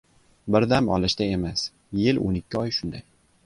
— Bir dam olishda emas, yil — o‘n ikki oy shunday.